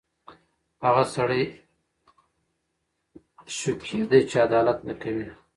هغه سړی شقیه دی چې عدالت نه کوي.